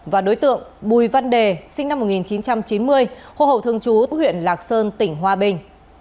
và đối tượng bùi văn đề sinh năm một nghìn chín trăm chín mươi hộ khẩu thương chú huyện lạc sơn tỉnh hoa bình